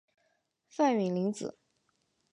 范允临子。